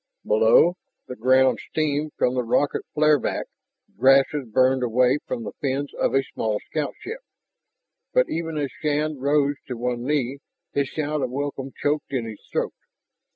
Below, the ground steamed from a rocket flare back, grasses burned away from the fins of a small scoutship. But even as Shann rose to one knee, his shout of welcome choked in his throat.